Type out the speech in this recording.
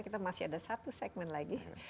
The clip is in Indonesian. kita masih ada satu segmen lagi